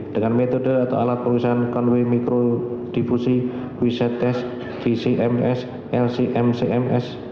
dengan metode atau alat perusahaan konvei mikrodifusi wiset tes vcms lcmcms